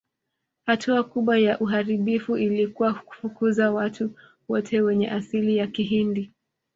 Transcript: Hatua kubwa ya uharibifu ilikuwa kufukuza watu wote wenye asili ya Kihindi